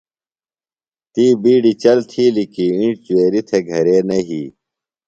تی بِیڈیۡ چل تِھیلیۡ کی اِنڇ جُویریۡ تھےۡ گھرے نہ یھی۔